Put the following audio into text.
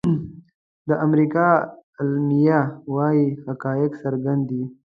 د امریکا اعلامیه وايي حقایق څرګند دي.